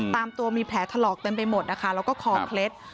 ตามตัวมีแผลถลอกเต็มไปหมดนะคะแล้วก็คอเคล็ด